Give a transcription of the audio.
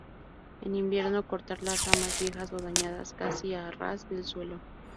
En invierno cortar las ramas viejas o dañadas casi a ras del suelo.